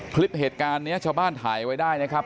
คลิปเหตุการณ์นี้ชาวบ้านถ่ายไว้ได้นะครับ